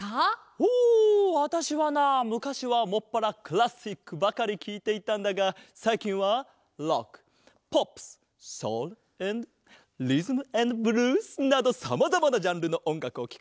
ほわたしはなむかしはもっぱらクラシックばかりきいていたんだがさいきんはロックポップスソウルアンドリズム・アンド・ブルースなどさまざまなジャンルのおんがくをきくようになったぞ。